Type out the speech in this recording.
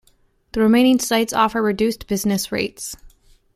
The remaining sites offer reduced business rates.